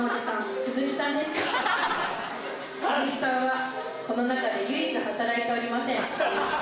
鈴木さんはこの中で唯一働いておりません。